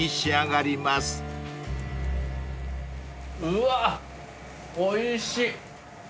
うわおいしい。